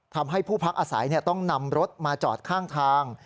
ทำให้ผู้พักอาศัยต้องนำรถมาจอดข้างทาง